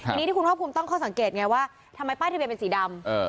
ทีนี้ที่คุณภาคภูมิตั้งข้อสังเกตไงว่าทำไมป้ายทะเบียนเป็นสีดำ